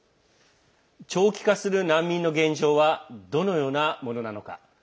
長期化する難民の現状はどのようなものなのか。